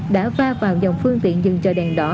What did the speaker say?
đã va vào dòng phương tiện dừng chờ đèn đỏ